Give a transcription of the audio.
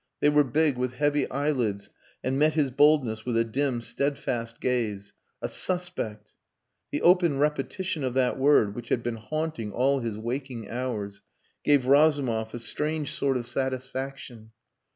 They were big with heavy eyelids, and met his boldness with a dim, steadfast gaze. "A suspect." The open repetition of that word which had been haunting all his waking hours gave Razumov a strange sort of satisfaction.